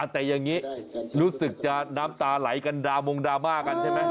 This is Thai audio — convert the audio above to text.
แต่อย่างนี้รู้สึกจะน้ำตาไหลกันดามงดราม่ากันใช่ไหม